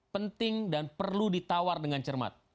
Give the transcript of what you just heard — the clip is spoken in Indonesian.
penting dan perlu ditawar dengan cermat